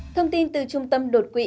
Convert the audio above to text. thông tin từ trung tâm đột quy